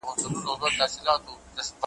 د اکبر په ميخانوکي `